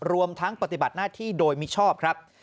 รวมทั้งปฏิบัติหน้าที่โดยมิชอบครับ